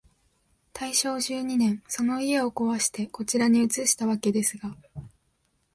大正十二年、その家をこわして、こちらに移したわけですが、